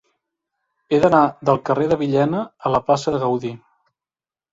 He d'anar del carrer de Villena a la plaça de Gaudí.